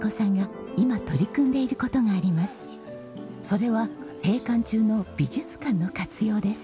それは閉館中の美術館の活用です。